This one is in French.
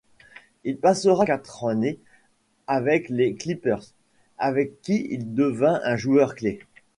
Il passera quatre années avec les Clippers, avec qui il devint un joueur-clé.